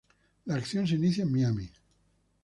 La acción se inicia en Miami.